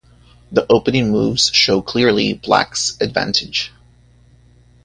The opening moves show clearly black's advantage.